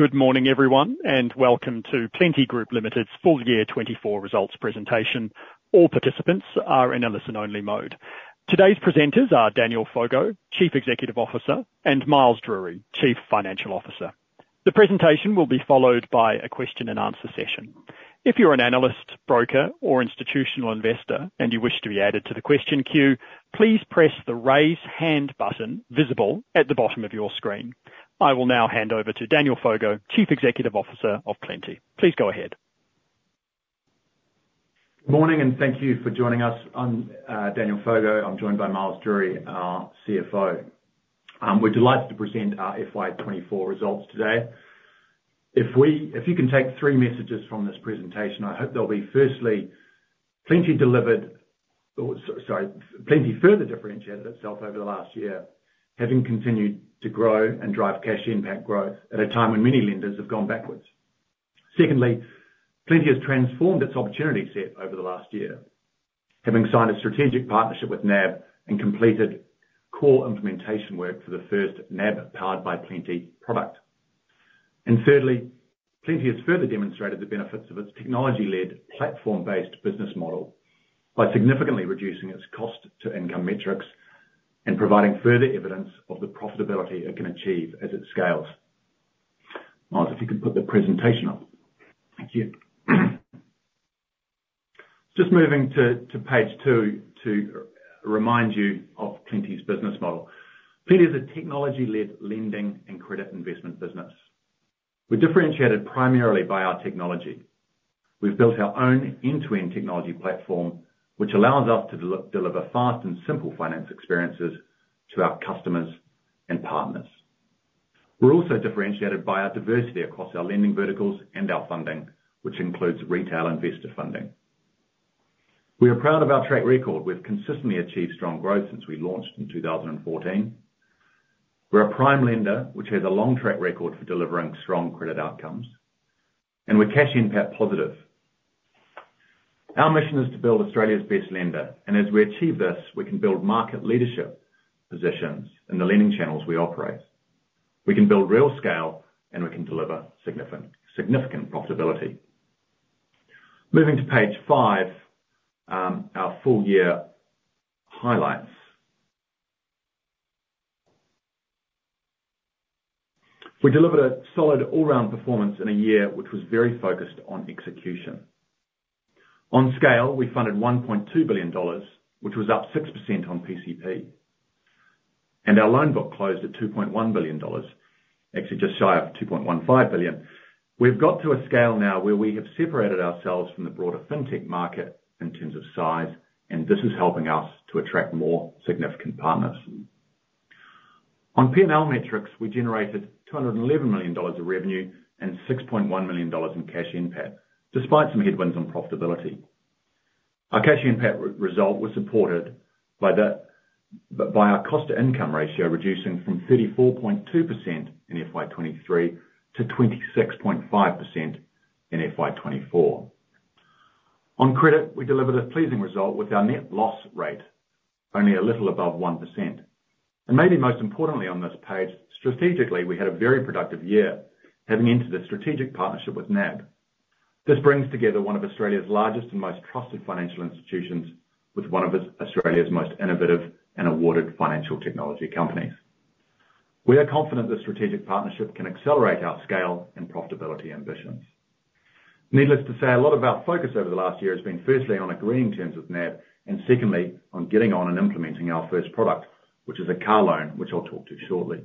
Good morning, everyone, and welcome to Plenti Group Limited's full year 2024 results presentation. All participants are in a listen-only mode. Today's presenters are Daniel Foggo, Chief Executive Officer, and Miles Drury, Chief Financial Officer. The presentation will be followed by a question and answer session. If you're an analyst, broker, or institutional investor, and you wish to be added to the question queue, please press the Raise Hand button visible at the bottom of your screen. I will now hand over to Daniel Foggo, Chief Executive Officer of Plenti. Please go ahead. Morning, and thank you for joining us. I'm Daniel Foggo. I'm joined by Miles Drury, our CFO. We're delighted to present our FY 2024 results today. If you can take three messages from this presentation, I hope they'll be, firstly, Plenti further differentiated itself over the last year, having continued to grow and drive cash NPAT growth at a time when many lenders have gone backwards. Secondly, Plenti has transformed its opportunity set over the last year, having signed a strategic partnership with NAB and completed core implementation work for the first NAB powered by Plenti product. Thirdly, Plenti has further demonstrated the benefits of its technology-led, platform-based business model by significantly reducing its cost to income metrics and providing further evidence of the profitability it can achieve as it scales. Miles, if you could put the presentation up. Thank you. Just moving to page two, to remind you of Plenti's business model. Plenti is a technology-led lending and credit investment business. We're differentiated primarily by our technology. We've built our own end-to-end technology platform, which allows us to deliver fast and simple finance experiences to our customers and partners. We're also differentiated by our diversity across our lending verticals and our funding, which includes retail investor funding. We are proud of our track record. We've consistently achieved strong growth since we launched in 2014. We're a prime lender, which has a long track record for delivering strong credit outcomes, and we're cash NPAT positive. Our mission is to build Australia's best lender, and as we achieve this, we can build market leadership positions in the lending channels we operate. We can build real scale, and we can deliver significant profitability. Moving to page 5, our full year highlights. We delivered a solid all-round performance in a year, which was very focused on execution. On scale, we funded 1.2 billion dollars, which was up 6% on PCP, and our loan book closed at 2.1 billion dollars, actually just shy of 2.15 billion. We've got to a scale now where we have separated ourselves from the broader fintech market in terms of size, and this is helping us to attract more significant partners. On P&L metrics, we generated 211 million dollars of revenue and 6.1 million dollars in Cash NPAT, despite some headwinds on profitability. Our Cash NPAT result was supported by the, by our cost to income ratio, reducing from 34.2% in FY 2023 to 26.5% in FY 2024. On credit, we delivered a pleasing result with our net loss rate only a little above 1%. Maybe most importantly, on this page, strategically, we had a very productive year, having entered a strategic partnership with NAB. This brings together one of Australia's largest and most trusted financial institutions, with Australia's most innovative and awarded financial technology companies. We are confident this strategic partnership can accelerate our scale and profitability ambitions. Needless to say, a lot of our focus over the last year has been, firstly, on agreeing terms with NAB, and secondly, on getting on and implementing our first product, which is a car loan, which I'll talk to shortly.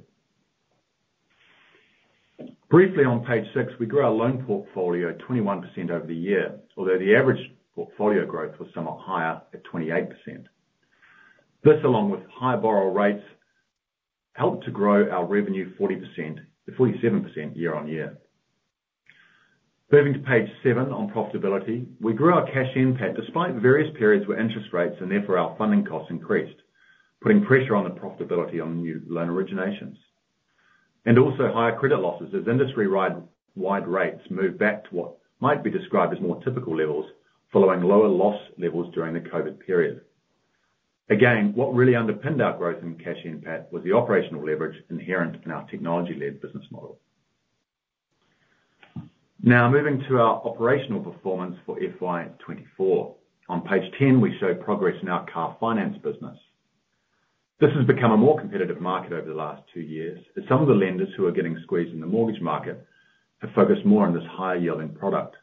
Briefly, on page 6, we grew our loan portfolio 21% over the year, although the average portfolio growth was somewhat higher at 28%. This, along with higher borrow rates, helped to grow our revenue 40%... 47% year-on-year. Moving to page 7, on profitability, we grew our Cash NPAT despite various periods where interest rates and therefore our funding costs increased, putting pressure on the profitability on new loan originations. And also higher credit losses as industry-wide rates moved back to what might be described as more typical levels, following lower loss levels during the COVID period. Again, what really underpinned our growth in Cash NPAT was the operational leverage inherent in our technology-led business model. Now, moving to our operational performance for FY 2024. On page 10, we show progress in our car finance business. This has become a more competitive market over the last two years, as some of the lenders who are getting squeezed in the mortgage market have focused more on this higher-yielding product.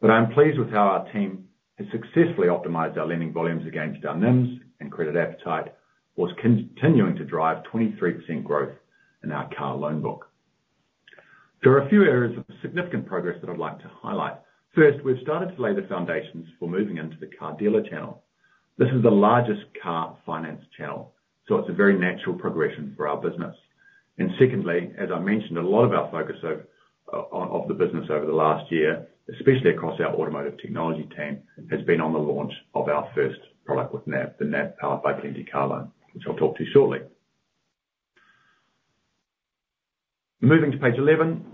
But I'm pleased with how our team has successfully optimized our lending volumes against our NIMs and credit appetite, while continuing to drive 23% growth in our car loan book. There are a few areas of significant progress that I'd like to highlight. First, we've started to lay the foundations for moving into the car dealer channel. This is the largest car finance channel, so it's a very natural progression for our business. And secondly, as I mentioned, a lot of our focus of the business over the last year, especially across our automotive technology team, has been on the launch of our first product with NAB, the NAB powered by Plenti car loan, which I'll talk to you shortly. Moving to page 11.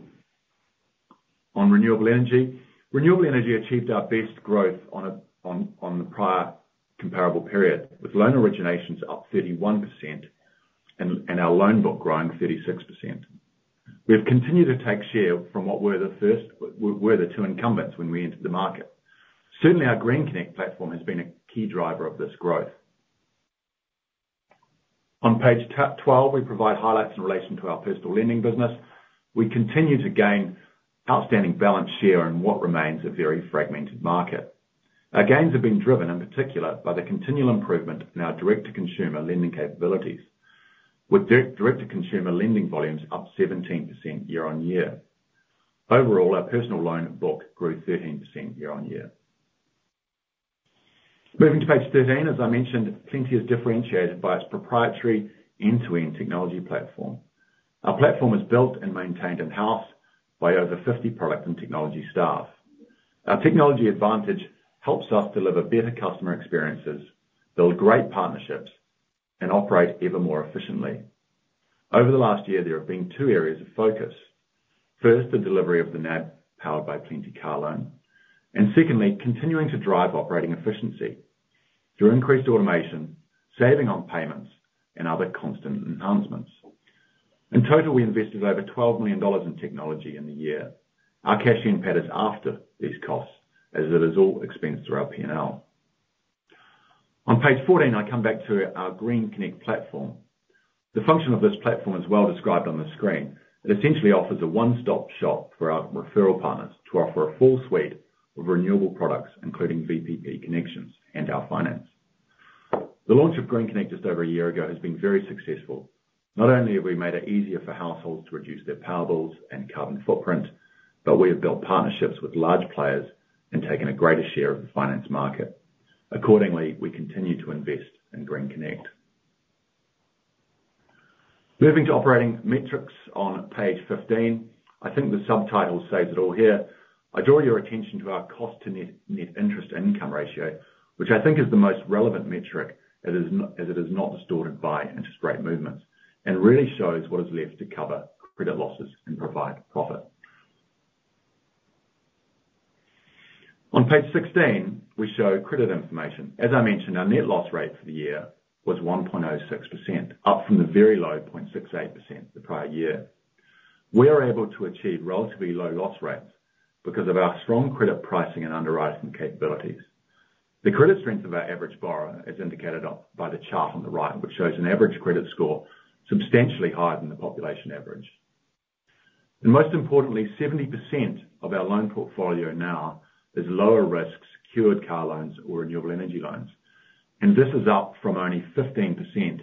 On renewable energy. Renewable energy achieved our best growth on the prior comparable period, with loan originations up 31% and our loan book growing 36%. We have continued to take share from what were the two incumbents when we entered the market. Certainly, our GreenConnect platform has been a key driver of this growth. On page 12, we provide highlights in relation to our personal lending business. We continue to gain outstanding balance share in what remains a very fragmented market. Our gains have been driven, in particular, by the continual improvement in our direct-to-consumer lending capabilities, with direct-to-consumer lending volumes up 17% year-on-year. Overall, our personal loan book grew 13% year-on-year. Moving to page 13, as I mentioned, Plenti is differentiated by its proprietary end-to-end technology platform. Our platform is built and maintained in-house by over 50 product and technology staff. Our technology advantage helps us deliver better customer experiences, build great partnerships, and operate even more efficiently. Over the last year, there have been two areas of focus. First, the delivery of the NAB powered by Plenti car loan. And secondly, continuing to drive operating efficiency through increased automation, saving on payments, and other constant enhancements. In total, we invested over 12 million dollars in technology in the year. Our Cash NPAT is after these costs, as it is all expensed through our P&L. On page 14, I come back to our GreenConnect platform. The function of this platform is well described on the screen. It essentially offers a one-stop shop for our referral partners to offer a full suite of renewable products, including VPP connections and our finance. The launch of GreenConnect just over a year ago has been very successful. Not only have we made it easier for households to reduce their power bills and carbon footprint, but we have built partnerships with large players and taken a greater share of the finance market. Accordingly, we continue to invest in GreenConnect. Moving to operating metrics on page 15. I think the subtitle says it all here. I draw your attention to our cost to net interest income ratio, which I think is the most relevant metric, as it is not distorted by interest rate movements, and really shows what is left to cover credit losses and provide profit. On page 16, we show credit information. As I mentioned, our net loss rate for the year was 1.06%, up from the very low 0.68% the prior year. We are able to achieve relatively low loss rates because of our strong credit pricing and underwriting capabilities. The credit strength of our average borrower is indicated on, by the chart on the right, which shows an average credit score substantially higher than the population average. And most importantly, 70% of our loan portfolio now is lower risk, secured car loans or renewable energy loans, and this is up from only 15%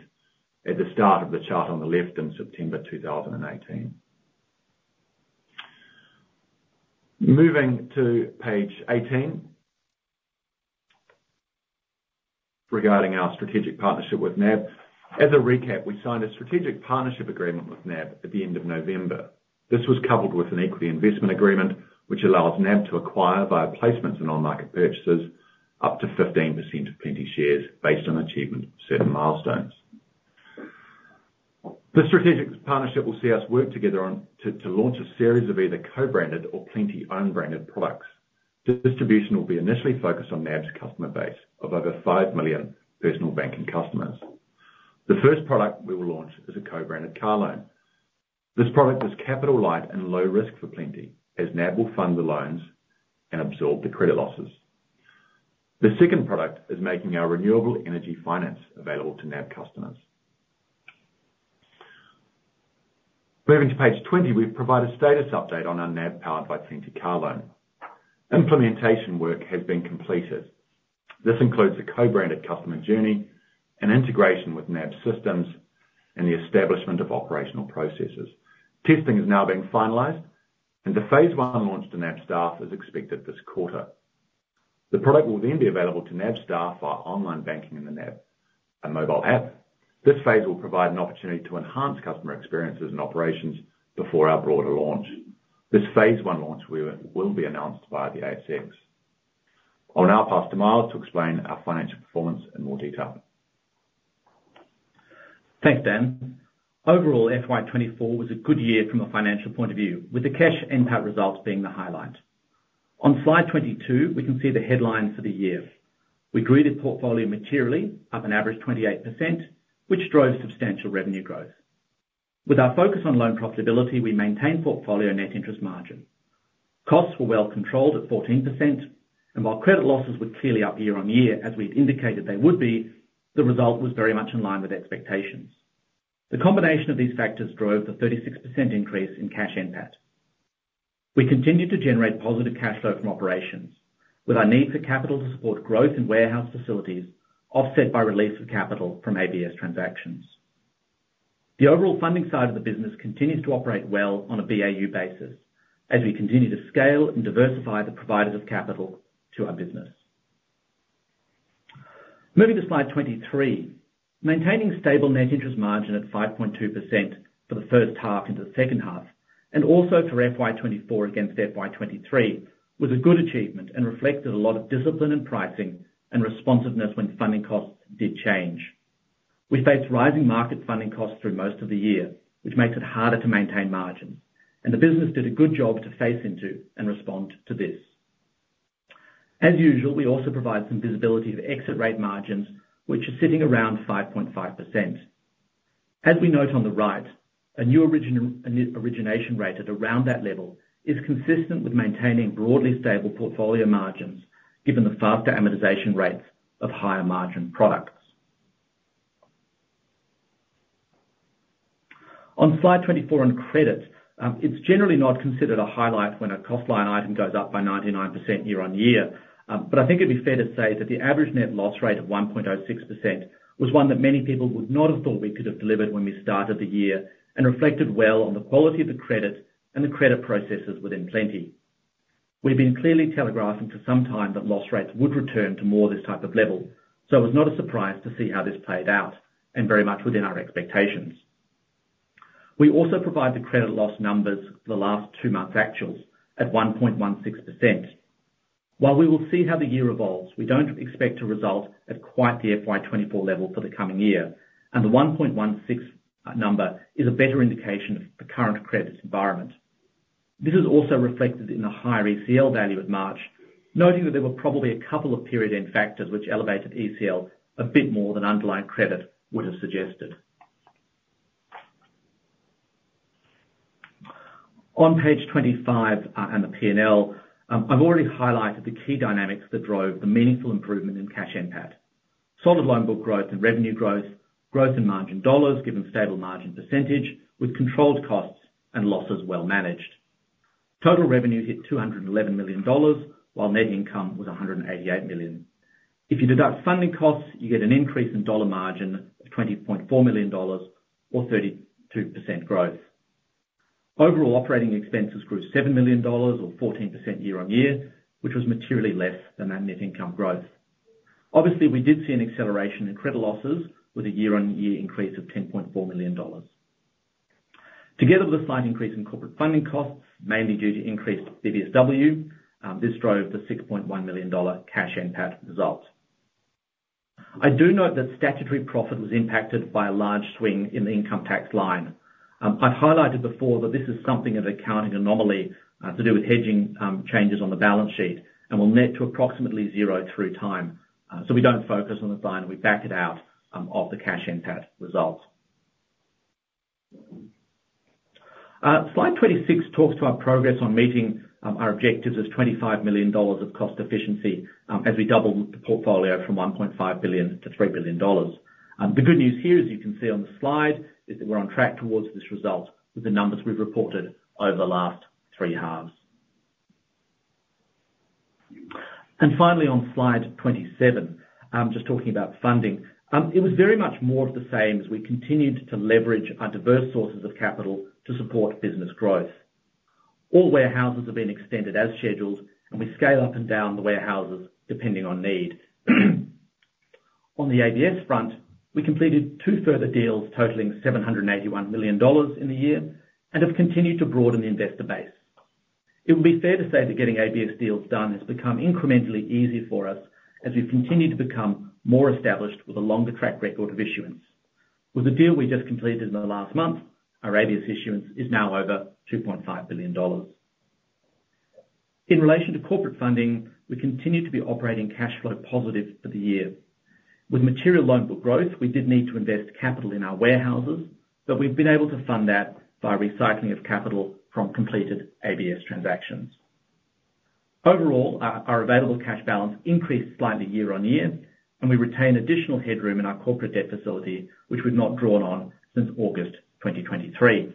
at the start of the chart on the left, in September 2018. Moving to page 18, regarding our strategic partnership with NAB. As a recap, we signed a strategic partnership agreement with NAB at the end of November. This was coupled with an equity investment agreement, which allows NAB to acquire, via placements and on-market purchases, up to 15% of Plenti shares based on achievement of certain milestones. The strategic partnership will see us work together on to launch a series of either co-branded or Plenti unbranded products. The distribution will be initially focused on NAB's customer base of over 5 million personal banking customers. The first product we will launch is a co-branded car loan. This product is capital light and low risk for Plenti, as NAB will fund the loans and absorb the credit losses. The second product is making our renewable energy finance available to NAB customers. Moving to page 20, we've provided a status update on our NAB powered by Plenti car loan. Implementation work has been completed. This includes a co-branded customer journey, an integration with NAB systems, and the establishment of operational processes. Testing is now being finalized, and the phase one launch to NAB staff is expected this quarter. The product will then be available to NAB staff via online banking in the NAB and mobile app. This phase will provide an opportunity to enhance customer experiences and operations before our broader launch. This phase one launch will be announced via the ASX. I'll now pass to Miles to explain our financial performance in more detail. Thanks, Dan. Overall, FY 2024 was a good year from a financial point of view, with the Cash NPAT results being the highlight. On slide 22, we can see the headlines for the year. We grew the portfolio materially, up an average 28%, which drove substantial revenue growth. With our focus on loan profitability, we maintained portfolio net interest margin. Costs were well controlled at 14%, and while credit losses were clearly up year-on-year, as we'd indicated they would be, the result was very much in line with expectations. The combination of these factors drove the 36% increase in Cash NPAT. We continued to generate positive cash flow from operations, with our need for capital to support growth in warehouse facilities offset by release of capital from ABS transactions. The overall funding side of the business continues to operate well on a BAU basis, as we continue to scale and diversify the providers of capital to our business. Moving to slide 23. Maintaining stable net interest margin at 5.2% for the first half into the second half, and also for FY 2024 against FY 2023, was a good achievement and reflected a lot of discipline in pricing and responsiveness when funding costs did change. We faced rising market funding costs through most of the year, which makes it harder to maintain margins, and the business did a good job to face into and respond to this. As usual, we also provide some visibility of exit rate margins, which are sitting around 5.5%. As we note on the right, a new origination rate at around that level is consistent with maintaining broadly stable portfolio margins, given the faster amortization rates of higher margin products. On slide 24, on credit, it's generally not considered a highlight when a cost line item goes up by 99% year-on-year. But I think it'd be fair to say that the average net loss rate of 1.06% was one that many people would not have thought we could have delivered when we started the year, and reflected well on the quality of the credit and the credit processes within Plenti. We've been clearly telegraphing for some time that loss rates would return to more this type of level, so it was not a surprise to see how this played out and very much within our expectations. We also provide the credit loss numbers for the last two months' actuals at 1.6%. While we will see how the year evolves, we don't expect the result at quite the FY 2024 level for the coming year, and the 1.6 number is a better indication of the current credit environment. This is also reflected in the higher ECL value of March, noting that there were probably a couple of period-end factors which elevated ECL a bit more than underlying credit would have suggested. On page 25 and the P&L, I've already highlighted the key dynamics that drove the meaningful improvement in cash NPAT. Solid loan book growth and revenue growth, growth in margin dollars, given stable margin percentage with controlled costs and losses well managed. Total revenue hit 211 million dollars, while net income was 188 million. If you deduct funding costs, you get an increase in dollar margin of 20.4 million dollars or 32% growth. Overall, operating expenses grew 7 million dollars or 14% year-on-year, which was materially less than that net income growth. Obviously, we did see an acceleration in credit losses with a year-on-year increase of 10.4 million dollars. Together with a slight increase in corporate funding costs, mainly due to increased BBSW, this drove the 6.1 million dollar cash NPAT result. I do note that statutory profit was impacted by a large swing in the income tax line. I've highlighted before that this is something of an accounting anomaly to do with hedging changes on the balance sheet and will net to approximately zero through time. So we don't focus on the line. We back it out off the cash NPAT result. Slide 26 talks to our progress on meeting our objectives of 25 million dollars of cost efficiency as we double the portfolio from 1.5 billion to 3 billion dollars. The good news here, as you can see on the slide, is that we're on track towards this result with the numbers we've reported over the last 3 halves. And finally, on slide 27, just talking about funding. It was very much more of the same as we continued to leverage our diverse sources of capital to support business growth. All warehouses have been extended as scheduled, and we scale up and down the warehouses depending on need. On the ABS front, we completed 2 further deals, totaling 781 million dollars in the year, and have continued to broaden the investor base. It would be fair to say that getting ABS deals done has become incrementally easier for us as we've continued to become more established with a longer track record of issuance. With the deal we just completed in the last month, our ABS issuance is now over 2.5 billion dollars. In relation to corporate funding, we continue to be operating cash flow positive for the year. With material loan book growth, we did need to invest capital in our warehouses, but we've been able to fund that by recycling of capital from completed ABS transactions. Overall, our available cash balance increased slightly year-on-year, and we retained additional headroom in our corporate debt facility, which we've not drawn on since August 2023. With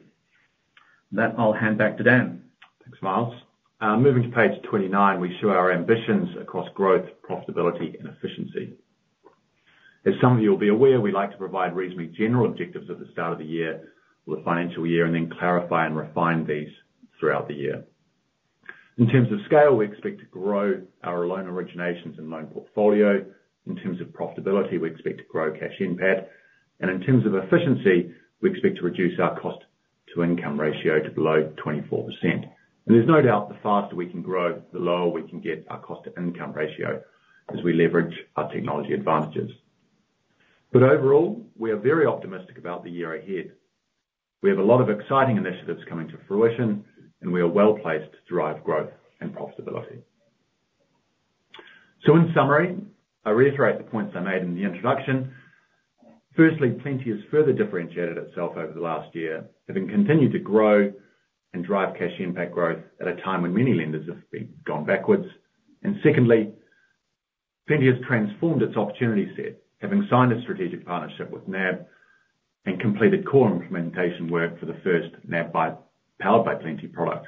that, I'll hand back to Dan. Thanks, Miles. Moving to page 29, we show our ambitions across growth, profitability, and efficiency. As some of you will be aware, we like to provide reasonably general objectives at the start of the year or the financial year, and then clarify and refine these throughout the year. In terms of scale, we expect to grow our loan originations and loan portfolio. In terms of profitability, we expect to grow cash NPAT, and in terms of efficiency, we expect to reduce our cost to income ratio to below 24%. And there's no doubt the faster we can grow, the lower we can get our cost to income ratio as we leverage our technology advantages. But overall, we are very optimistic about the year ahead. We have a lot of exciting initiatives coming to fruition, and we are well-placed to drive growth and profitability. So in summary, I reiterate the points I made in the introduction. Firstly, Plenti has further differentiated itself over the last year, having continued to grow and drive cash NPAT growth at a time when many lenders have gone backwards. And secondly, Plenti has transformed its opportunity set, having signed a strategic partnership with NAB and completed core implementation work for the first NAB Powered by Plenti product.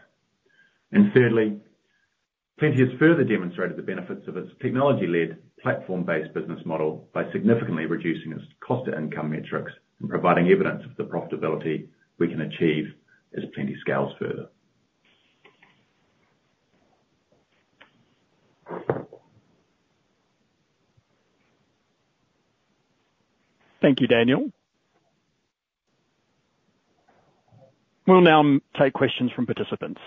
And thirdly, Plenti has further demonstrated the benefits of its technology-led, platform-based business model by significantly reducing its cost to income metrics and providing evidence of the profitability we can achieve as Plenti scales further. Thank you, Daniel.... We'll now take questions from participants.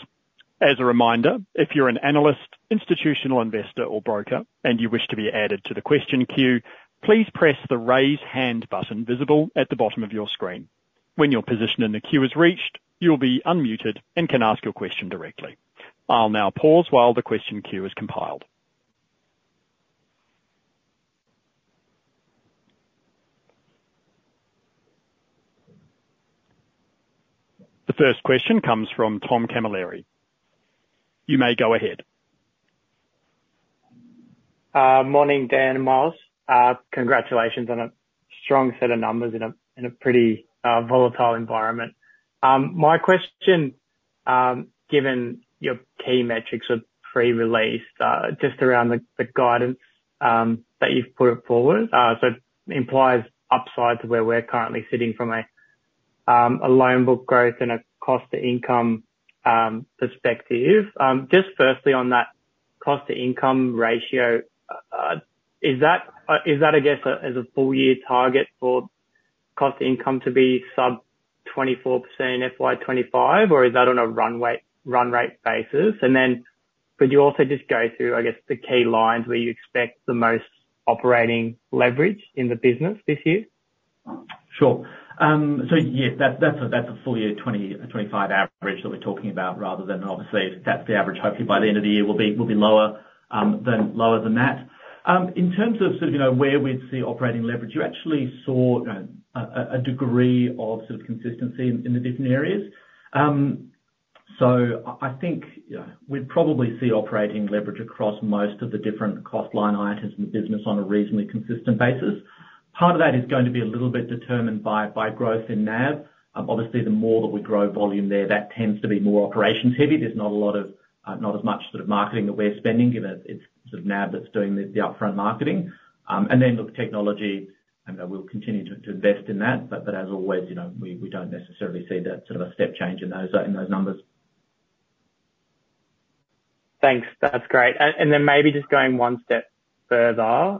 As a reminder, if you're an analyst, institutional investor, or broker, and you wish to be added to the question queue, please press the Raise Hand button visible at the bottom of your screen. When your position in the queue is reached, you'll be unmuted and can ask your question directly. I'll now pause while the question queue is compiled. The first question comes from Tom Camilleri. You may go ahead. Morning, Dan and Miles. Congratulations on a strong set of numbers in a pretty volatile environment. My question, given your key metrics were pre-released, just around the guidance that you've put forward. So it implies upside to where we're currently sitting from a loan book growth and a cost to income perspective. Just firstly, on that cost to income ratio, is that, I guess, as a full year target for cost to income to be sub 24% FY 2025, or is that on a run-rate basis? And then could you also just go through, I guess, the key lines where you expect the most operating leverage in the business this year? Sure. So yeah, that's a full year 2025 average that we're talking about rather than obviously, if that's the average, hopefully by the end of the year will be lower than that. In terms of sort of, you know, where we'd see operating leverage, you actually saw a degree of sort of consistency in the different areas. So I think, yeah, we'd probably see operating leverage across most of the different cost line items in the business on a reasonably consistent basis. Part of that is going to be a little bit determined by growth in NAB. Obviously, the more that we grow volume there, that tends to be more operations heavy. There's not a lot of not as much sort of marketing that we're spending. Given it's sort of NAB that's doing the upfront marketing. And then, look, technology, and I know we'll continue to invest in that, but as always, you know, we don't necessarily see that sort of a step change in those numbers. Thanks. That's great. And then maybe just going one step further,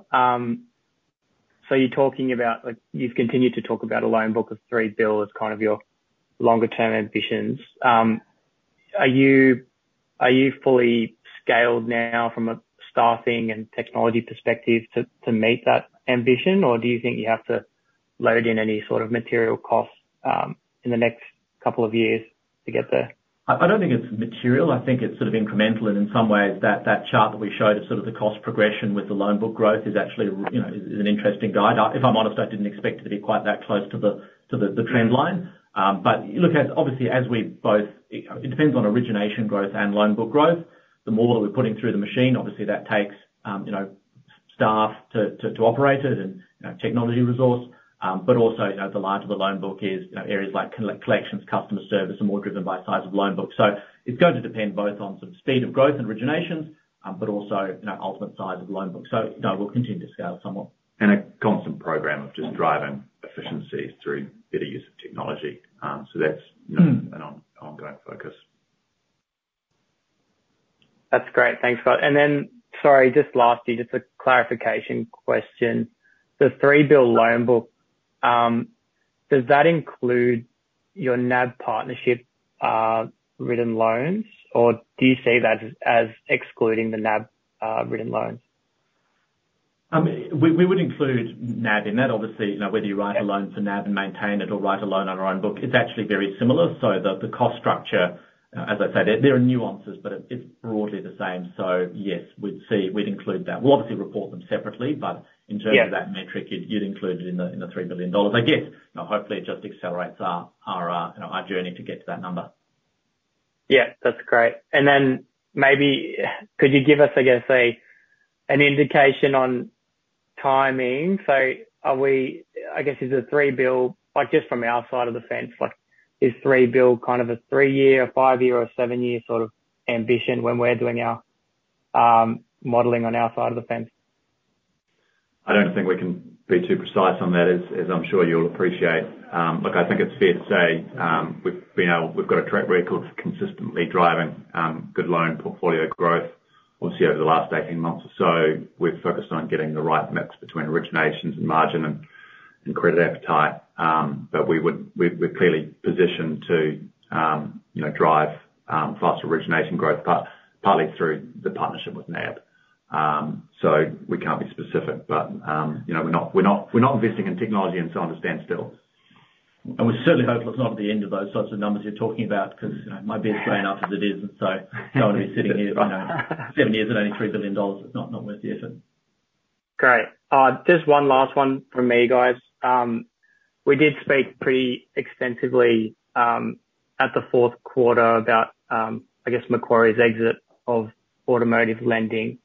so you're talking about, like, you've continued to talk about a loan book of 3 billion as kind of your longer term ambitions. Are you, are you fully scaled now from a staffing and technology perspective to meet that ambition? Or do you think you have to load in any sort of material costs in the next couple of years to get there? I don't think it's material. I think it's sort of incremental and in some ways that chart that we showed of sort of the cost progression with the loan book growth is actually, you know, an interesting guide. If I'm honest, I didn't expect it to be quite that close to the trend line. But look, as obviously as we both... It depends on origination growth and loan book growth. The more that we're putting through the machine, obviously that takes you know staff to operate it and, you know, technology resource, but also, as the larger the loan book is, you know, areas like collections, customer service, are more driven by size of loan book. It's going to depend both on sort of speed of growth and origination, but also, you know, ultimate size of loan book. No, we'll continue to scale somewhat. A constant program of just driving efficiencies through better use of technology. So that's, you know, an ongoing focus. That's great. Thanks for that. And then, sorry, just lastly, just a clarification question. The 3 billion loan book, does that include your NAB partnership, written loans, or do you see that as excluding the NAB, written loans? We would include NAB in that. Obviously, you know, whether you write a loan to NAB and maintain it or write a loan on our own book, it's actually very similar. So the cost structure, as I said, there are nuances, but it's broadly the same. So yes, we'd include that. We'll obviously report them separately, but- Yeah... in terms of that metric, you'd include it in the 3 billion dollars. I guess, you know, hopefully it just accelerates our you know, our journey to get to that number. Yeah, that's great. And then maybe could you give us, I guess, an indication on timing? So are we, I guess, is the 3 billion, like, just from our side of the fence, like, is 3 billion kind of a 3-year, a 5-year, or a 7-year sort of ambition when we're doing our modeling on our side of the fence? I don't think we can be too precise on that, as I'm sure you'll appreciate. Look, I think it's fair to say, we've got a track record of consistently driving good loan portfolio growth. Obviously, over the last 18 months or so, we've focused on getting the right mix between originations and margin and credit appetite. But we're clearly positioned to, you know, drive faster origination growth, partly through the partnership with NAB. So we can't be specific, but, you know, we're not investing in technology and to understand still. We certainly hope it's not at the end of those sorts of numbers you're talking about, 'cause, you know, my beard's gray enough as it is, and so no one will be sitting here, you know, 7 years and only 3 billion dollars, it's not, not worth the effort. Great. Just one last one from me, guys. We did speak pretty extensively at the fourth quarter about, I guess, Macquarie's exit of automotive lending.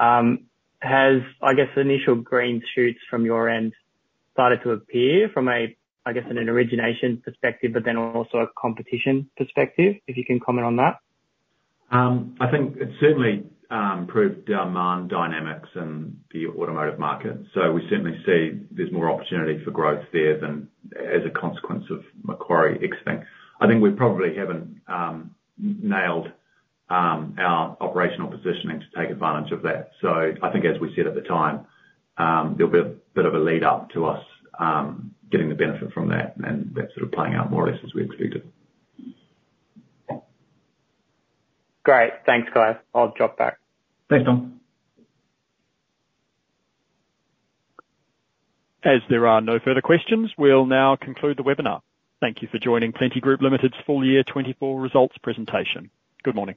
Has, I guess, initial green shoots from your end started to appear from a, I guess, in an origination perspective, but then also a competition perspective? If you can comment on that? I think it certainly improved demand dynamics in the automotive market, so we certainly see there's more opportunity for growth there as a consequence of Macquarie exiting. I think we probably haven't nailed our operational positioning to take advantage of that. So I think as we said at the time, there'll be a bit of a lead-up to us getting the benefit from that, and that's sort of playing out more or less as we expected. Great. Thanks, guys. I'll drop back. Thanks, Tom. As there are no further questions, we'll now conclude the webinar. Thank you for joining Plenti Group Limited's full year 24 results presentation. Good morning.